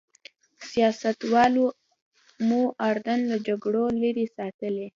سیاستوالو مو اردن له جګړو لرې ساتلی.